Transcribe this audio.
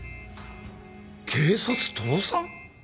警察倒産？